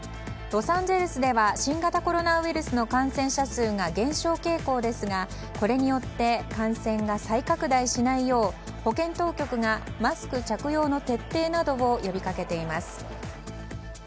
ロサンゼルスでは新型コロナウイルスの感染者数が減少傾向ですが、これによって感染が再拡大しない保健当局がマスク着用の徹底などを呼びかけています。